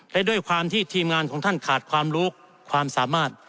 และด้วยความที่ทีมงานของท่านขาดความรู้ความสามารถ